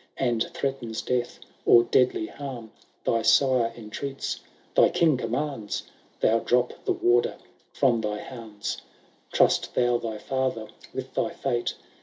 And threatens death or deadly harm. Thy sire entreats, thy king commands. Thou drop the warder from thy bands. Trust thou thy father with thy fate.